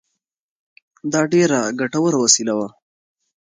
دا ډېره ګټوره وسیله وه.